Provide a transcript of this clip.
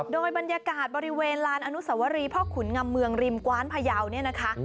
โดยบรรยากาศบริเวณลานอนุสวรีพ่อขุนงำเมืองริมกว้านพยาวเนี่ยนะคะ